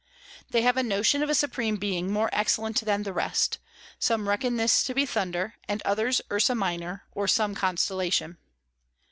They have a Notion of a Supreme Being more excellent than the rest; some reckon this to be Thunder, and others Ursa Minor, or some Constellation.